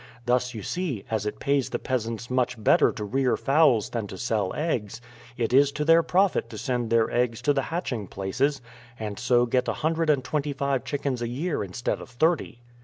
Thus, you see, as it pays the peasants much better to rear fowls than to sell eggs, it is to their profit to send their eggs to the hatching places, and so to get a hundred and twenty five chickens a year instead of thirty."